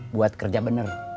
buat kerja bener